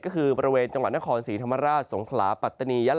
ก็คือประเวทจังหวัดนครศรีธรรมราชสงคาราปะตนียรรภ์